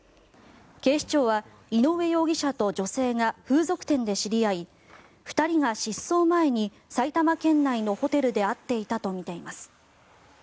警視庁は井上容疑者と女性が風俗店で知り合い２人が失踪前に埼玉県内のホテルで会っていたとみています。